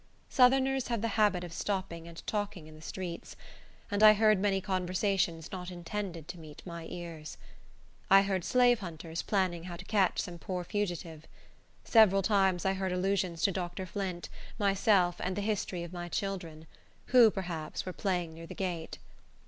Southerners have the habit of stopping and talking in the streets, and I heard many conversations not intended to meet my ears. I heard slave hunters planning how to catch some poor fugitive. Several times I heard allusions to Dr. Flint, myself, and the history of my children, who, perhaps, were playing near the gate.